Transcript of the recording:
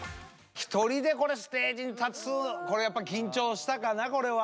１人でこれステージに立つこれやっぱ緊張したかなこれは。